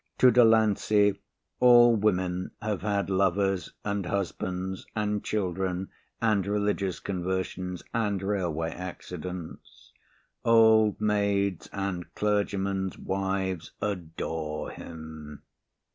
To Delancey all women have had lovers and husbands and children and religious conversions and railway accidents. Old maids and clergymen's wives adore him.